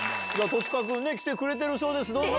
戸塚君ね、来てくれてるそうです、どうぞ。